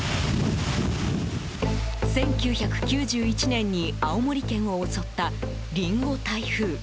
１９９１年に青森県を襲ったリンゴ台風。